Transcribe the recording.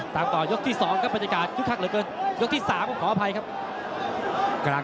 เลี้ยงต่างชาติมาเยอะเลยครับที่ค่านมวยทอสังเทียนน้อยครับ